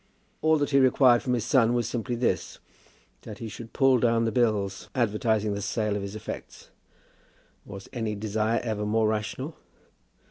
All that he required from his son was simply this, that he should pull down the bills advertising the sale of his effects. Was any desire ever more rational?